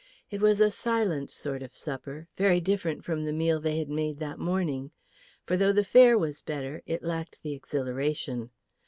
It was a silent sort of supper, very different from the meal they had made that morning. For though the fare was better, it lacked the exhilaration.